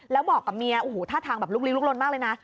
แล้วบอกกับเมียท่าทางลุกลิ้งลุกลนมากเลยนะ